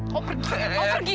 kamu pergi kamu pergi